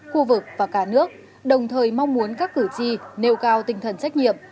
khu vực và cả nước đồng thời mong muốn các cử tri nêu cao tinh thần trách nhiệm